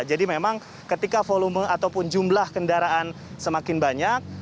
memang ketika volume ataupun jumlah kendaraan semakin banyak